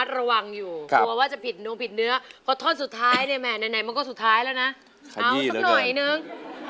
พี่รักเงินวนอย่างสุดสึง